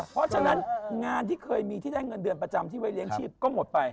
เพราะฉะนั้นงานที่เคยมีที่ได้เงินเดือนประจำที่ไว้เลี้ยงชีพก็หมดไป